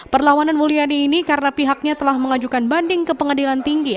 perlawanan mulyadi ini karena pihaknya telah mengajukan banding ke pengadilan tinggi